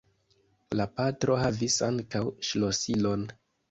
La patro havis ankaŭ ŝlosilon.